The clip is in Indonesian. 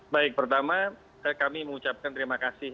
baik pertama kami mengucapkan terima kasih